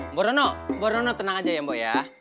mbok rono tenang aja ya mbok ya